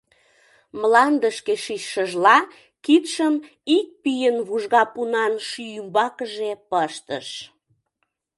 Мландышке шичшыжла кидшым ик пийын вужга пунан шӱй ӱмбакыже пыштыш.